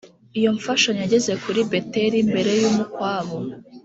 iyo mfashanyo yageze kuri beteli mbere y’umukwabu